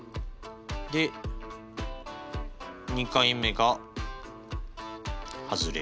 で２回目がはずれ。